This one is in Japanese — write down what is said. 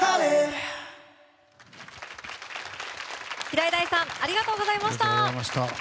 平井大さんありがとうございました。